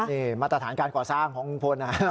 นี่มาตรฐานการก่อสร้างของลุงพลนะครับ